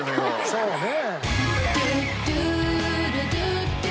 そうね。